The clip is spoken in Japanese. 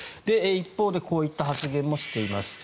一方でこういった発言もしています。